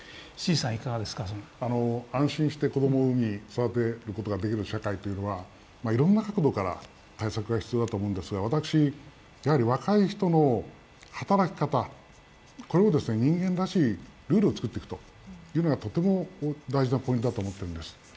安心して子供を産み、育てることができる社会というのはいろいろな角度から対策が必要だと思うんですがやはり若い人の働き方を人間らしいルールを作っていくというのがとても大事なポイントだと思っているんです。